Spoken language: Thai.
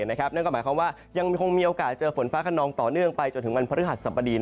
นั่นก็หมายความว่ายังคงมีโอกาสเจอฝนฟ้าขนองต่อเนื่องไปจนถึงวันพฤหัสสัปดี